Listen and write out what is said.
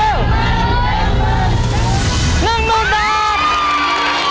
๑โบนัสหลังตู้หมายเลข๒เท่าไร